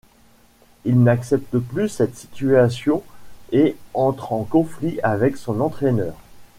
Il n'accepte plus cette situation et entre en conflit avec son entraîneur.